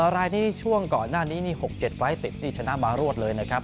รายนี้ช่วงก่อนหน้านี้นี่๖๗ไฟล์ติดนี่ชนะมารวดเลยนะครับ